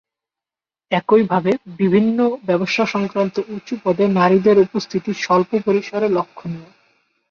একইভাবে বিভিন্ন ব্যবসা সংক্রান্ত উঁচু পদে নারীদের উপস্থিতি স্বল্প পরিসরে লক্ষণীয়।